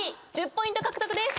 １０ポイント獲得です。